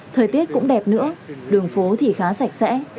thời tiết cũng đẹp nữa đường phố thì khá sạch sẽ